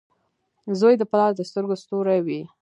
• زوی د پلار د سترګو ستوری وي.